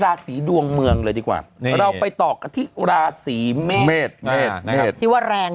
แอ่งจี้นะ